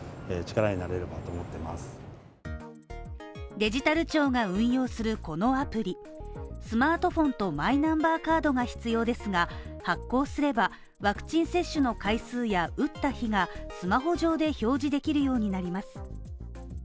デジタル庁が運用するこのアプリ、スマートフォンとマイナンバーカードが必要ですが、発効すれば、ワクチン接種の回数や打った日がスマホ上で表示できるようになります。